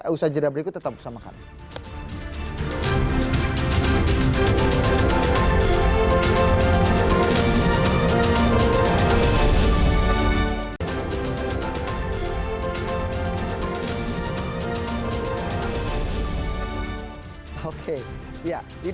usaha jenah berikut tetap bersama kami